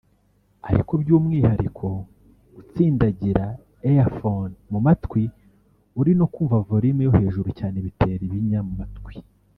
ariko by’umwihariko gutsindagira earphones mu matwi uri no kumva volume yo hejuru cyane bitera ibinya mu matwi